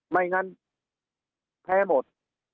ไม่งั้นแพ้หมด